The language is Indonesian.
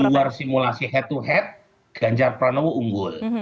di luar simulasi head to head ganjar pranowo unggul